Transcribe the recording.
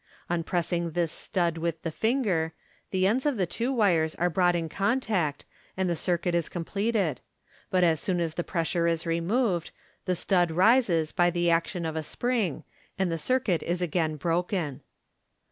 On pressing this stud with the finger, the ends Fig. 302. ♦8 2 MODERN MA GIC. of the two wires are brought in contact, and the circuit is completed j but as soon as the pressure is removed, the stud rises by the action of a spring, and the circuit is again broken.